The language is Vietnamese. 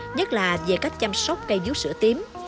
nhất là về cách chăm sóc cây vú sữa tím